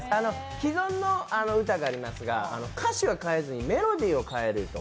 既存の歌がありますが、歌詞は変えずにメロディーを変えると。